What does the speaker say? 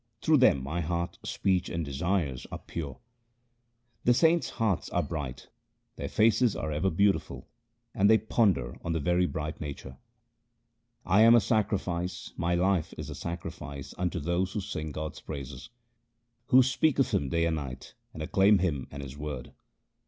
Through them my heart, speech, and desires are pure. The saints' hearts are bright ; their faces are ever beauti ful, and they ponder on the very bright Name. I am a sacrifice, my life is a sacrifice unto those who sing God's praises, Who speak of Him day and night, and acclaim Him and His word.